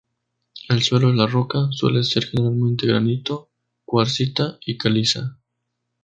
El suelo es la roca, suele ser generalmente granito, cuarcita y caliza.